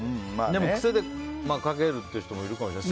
でも癖でかけるっていう人もいるかもしれない。